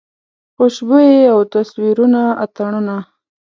خوشبويي او تصویرونه اتڼونه